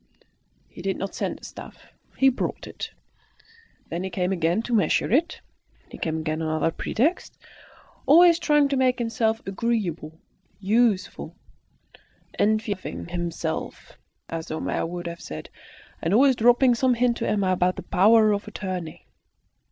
He did not send the stuff; he brought it. Then he came again to measure it; he came again on other pretexts, always trying to make himself agreeable, useful, "enfeoffing himself," as Homais would have said, and always dropping some hint to Emma about the power of attorney.